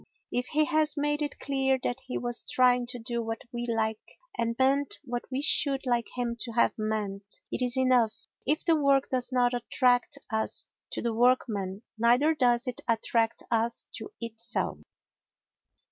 If he has made it clear that he was trying to do what we like, and meant what we should like him to have meant, it is enough; but if the work does not attract us to the workman, neither does it attract us to itself.